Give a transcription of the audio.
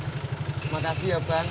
terima kasih ya bang